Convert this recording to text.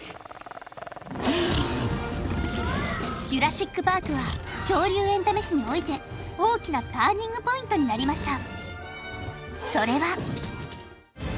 「ジュラシック・パーク」は恐竜エンタメ史において大きなターニングポイントになりました